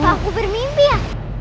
apa aku bermimpi ya